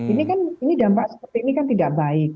ini kan dampak seperti ini kan tidak baik